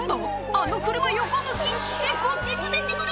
あの車横向きってこっち滑って来る！